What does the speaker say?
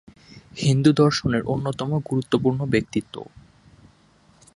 হিন্দু দর্শনের অন্যতম গুরুত্বপূর্ণ ব্যক্তিত্ব।